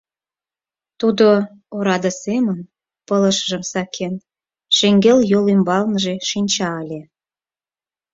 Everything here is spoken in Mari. Тудо, ораде семын пылышыжым сакен, шеҥгел йол ӱмбалныже шинча ыле.